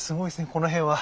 この辺は。